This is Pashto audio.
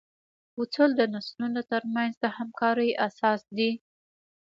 اصول د نسلونو تر منځ د همکارۍ اساس دي.